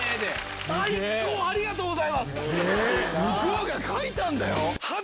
向こうが書いたんだよ！